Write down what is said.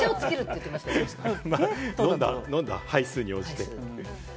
飲んだ杯数に応じてね。